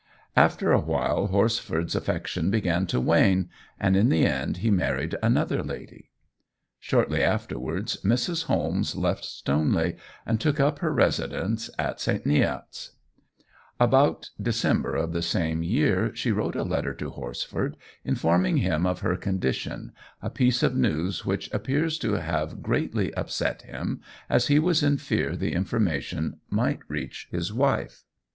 After a while Horsford's affection began to wane, and in the end he married another lady. Shortly afterwards Mrs. Holmes left Stoneley and took up her residence at St. Neots. About December of the same year she wrote a letter to Horsford, informing him of her condition, a piece of news which appears to have greatly upset him, as he was in fear the information might reach his wife.